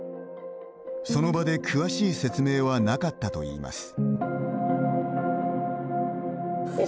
その場で詳しい説明はなかったといいます。